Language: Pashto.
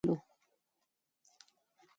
رسول الله ص د الله ډیر نازولی نبی او رسول وو۔